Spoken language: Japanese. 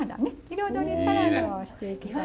彩りサラダをしていきます。